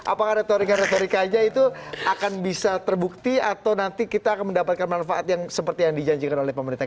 apakah retorika retorikanya itu akan bisa terbukti atau nanti kita akan mendapatkan manfaat yang seperti yang dijanjikan oleh pemerintah